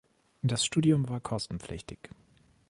Das Studium war kostenpflichtig.